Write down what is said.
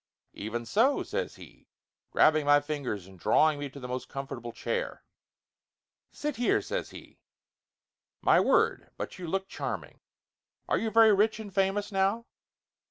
"Even so !" says he, grabbing my fingers and draw ing me to the most comfortable chair. "Sit here," says he. "My word, but you look charming! Are you very rich and famous now?"